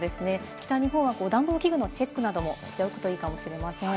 北日本は暖房器具のチェックなどもしておくといいかもしれません。